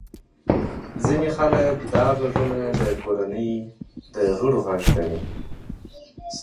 ځینې خلک دا غږونه د کورنۍ غړو غږ ګڼي.